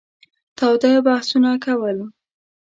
تاوده بحثونه کول.